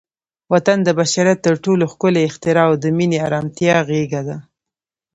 وطن د بشریت تر ټولو ښکلی اختراع او د مینې، ارامتیا غېږه ده.